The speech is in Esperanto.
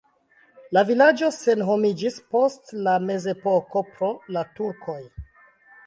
La vilaĝo senhomiĝis post la mezepoko pro la turkoj.